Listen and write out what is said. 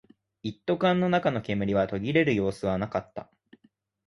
一斗缶の中の煙は途切れる様子はなかった